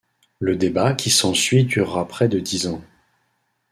Le débat qui s'ensuit durera près de dix ans.